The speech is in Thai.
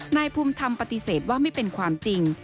นายภูมิธรรมปฏิเสธว่าไม่เป็นความจริง